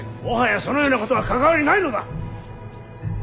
もはやそのようなことは関わりないのだ！